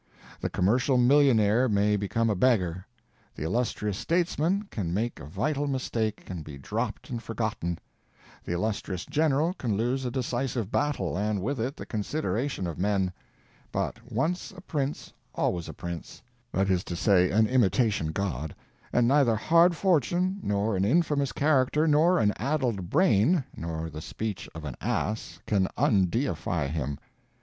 The commercial millionaire may become a beggar; the illustrious statesman can make a vital mistake and be dropped and forgotten; the illustrious general can lose a decisive battle and with it the consideration of men; but once a prince always a prince—that is to say, an imitation god, and neither hard fortune nor an infamous character nor an addled brain nor the speech of an ass can undeify him.